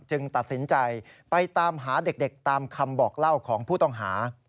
ตัดสินใจไปตามหาเด็กตามคำบอกเล่าของผู้ต้องหา